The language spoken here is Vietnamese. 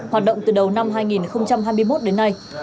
hoạt động từ đầu năm hai nghìn hai mươi một đến nay